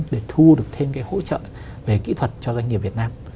để thu được thêm cái hỗ trợ về kỹ thuật cho doanh nghiệp việt nam